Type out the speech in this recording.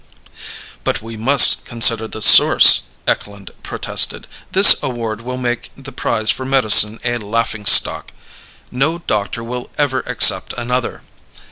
"But we must consider the source," Eklund protested. "This award will make the prize for medicine a laughingstock. No doctor will ever accept another.